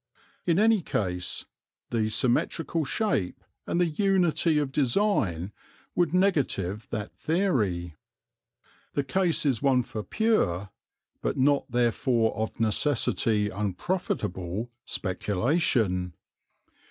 In any case the symmetrical shape and the unity of design would negative that theory. The case is one for pure, but not therefore of necessity unprofitable, speculation.